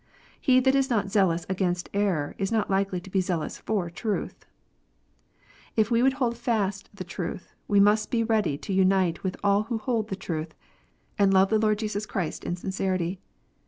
He that is not zealous against error, is not likely to be zealous for truth. If we would hold fast the truth, we must be ready to unite with all who hold the truth, and love the Lord Jesus Christ in sincerity.